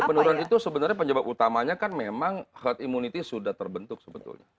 penurunan itu sebenarnya penyebab utamanya kan memang herd immunity sudah terbentuk sebetulnya